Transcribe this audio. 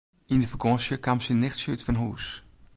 Yn de fakânsje kaam syn nichtsje útfanhûs.